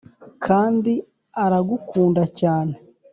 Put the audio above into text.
kandi aragukunda cyane